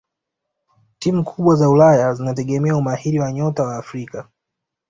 timu kubwa za ulaya zinategemea umahiri wa nyota wa afrika